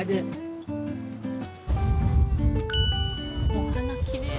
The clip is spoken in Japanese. お花きれいな。